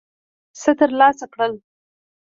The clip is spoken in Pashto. څه ترلاسه کړل.